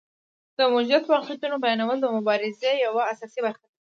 د موجودو واقعیتونو بیانول د مبارزې یوه اساسي برخه ده.